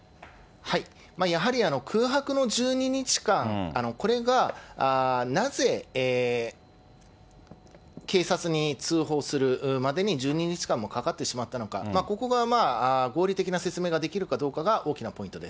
やはり空白の１２日間、これがなぜ警察に通報するまでに１２日間もかかってしまったのか、ここが合理的な説明ができるかが大